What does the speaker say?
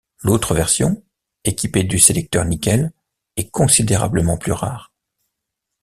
L’autre version, équipée du sélecteur Nickl, est considérablement plus rare.